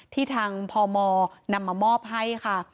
ที่ทางพมนำมามอบให้ค่ะ